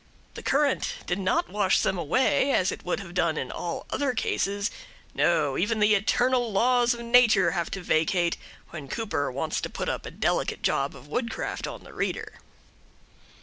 The current did not wash them away, as it would have done in all other like cases no, even the eternal laws of Nature have to vacate when Cooper wants to put up a delicate job of woodcraft on the reader.